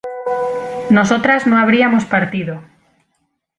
nosotras no habríamos partido